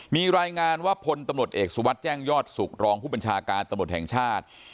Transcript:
มีรายงานว่าพลตำรวจเอกสุวัสดิ์แจ้งยอดสุขรองผู้บัญชาการตำรวจแห่งชาติ